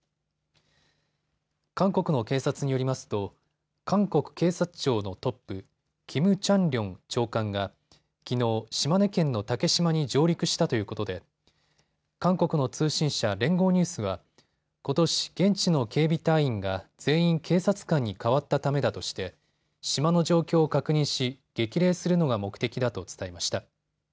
韓国の警察によりますと韓国警察庁のトップ、キム・チャンリョン長官がきのう島根県の竹島に上陸したということで韓国の通信社、連合ニュースはことし現地の警備隊員が全員警察官にかわったためだとして島の状況を確認し激励するのが目的だと伝えました。